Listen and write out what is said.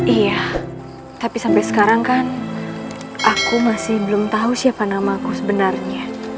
iya tapi sampai sekarang kan aku masih belum tahu siapa nama aku sebenarnya